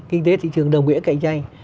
kinh tế thị trường đồng nghĩa cạnh tranh